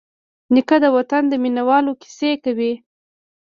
نیکه د وطن د مینوالو کیسې کوي.